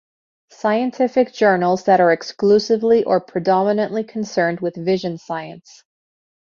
Scientific journals that are exclusively or predominantly concerned with vision science.